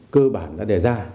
cơ bản đã đề ra